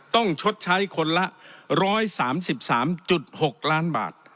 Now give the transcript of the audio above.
ต้องชดใช้คนละร้อยสามสิบสามจุดหกล้านบาท